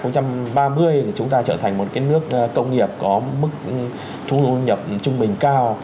thì chúng ta trở thành một cái nước công nghiệp có mức thu nhập trung bình cao